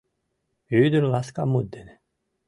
Ӱдыр ласка мут дене